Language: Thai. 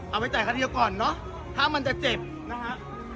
เอาไปจ่ายค่าเดียวก่อนเนอะถ้ามันจะเจ็บนะฮะ